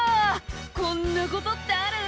こんなことってある？